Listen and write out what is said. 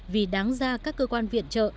vì đáng ra các cơ quan viện trợ